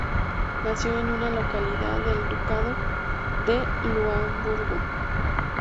Nació en una localidad del Ducado de Lauenburgo.